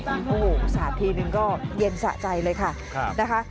โอ้โหสาดทีนึงก็เย็นสะใจเลยค่ะนะคะ